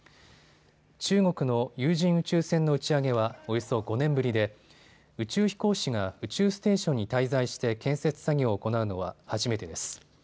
中国の有人宇宙船の打ち上げはおよそ５年ぶりで宇宙飛行士が宇宙ステーションに滞在して建設作業を行うのは初めてです。